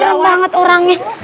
eh serem banget orangnya